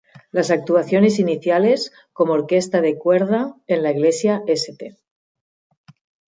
Las actuaciones iniciales, como orquesta de cuerda en la Iglesia St.